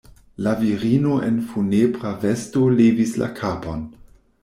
La virino en funebra vesto levis la kapon.